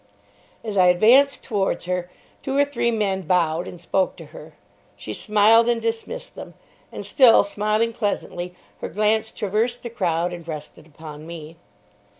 As I advanced towards her, two or three men bowed and spoke to her. She smiled and dismissed them, and, still smiling pleasantly, her glance traversed the crowd and rested upon me.